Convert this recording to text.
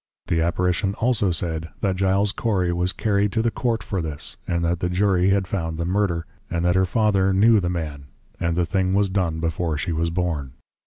_ The Apparition also said, That Giles Cory, was carry'd to the Court for this, and that the Jury had found the Murder, and that her Father knew the man, and the thing was done before she was born.